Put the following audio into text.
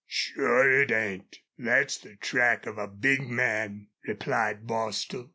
"Sure it ain't. Thet's the track of a big man," replied Bostil.